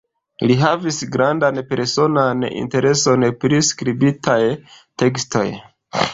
Li havis grandan personan intereson pri skribitaj tekstoj.